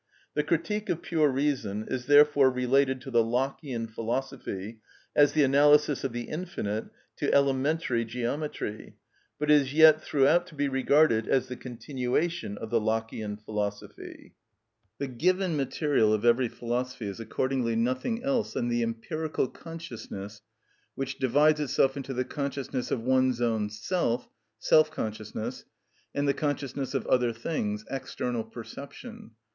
The "Critique of Pure Reason" is therefore related to the Lockeian philosophy as the analysis of the infinite to elementary geometry, but is yet throughout to be regarded as the continuation of the Lockeian philosophy. The given material of every philosophy is accordingly nothing else than the empirical consciousness, which divides itself into the consciousness of one's own self (self consciousness) and the consciousness of other things (external perception).